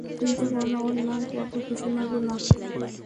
চিন্তা করো না, ওর নাক বরাবর ঘুষি মারবো না!